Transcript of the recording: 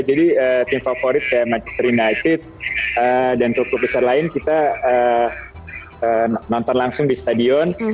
jadi tim favorit kayak manchester united dan klub klub besar lain kita nonton langsung di stadion